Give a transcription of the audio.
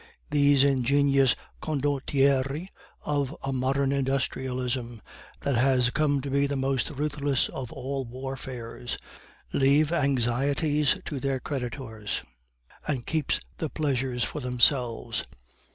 These ingenious condottieri of a modern industrialism, that has come to be the most ruthless of all warfares, leave anxieties to their creditors, and keep the pleasures for themselves.